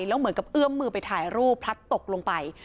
แล้วเหมือนกับเอื้อมมือไปถ่ายรูปพลัดตกลงไป